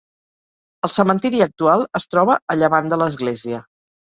El cementiri actual es troba a llevant de l'església.